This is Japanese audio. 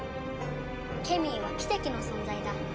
ケミーは奇跡の存在だ。